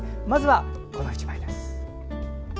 まずは、この１枚です。